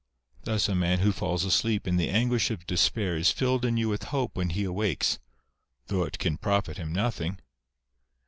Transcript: Thus a man who falls asleep in the anguish of despair is filled anew with hope when he awakes, though it can profit him nothing.